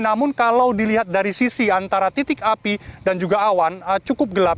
namun kalau dilihat dari sisi antara titik api dan juga awan cukup gelap